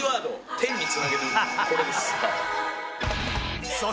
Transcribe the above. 「天につなげる」これです。